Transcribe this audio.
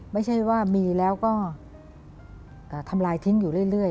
ไม่ใช่ว่ามีแล้วก็ทำลายทิ้งอยู่เรื่อย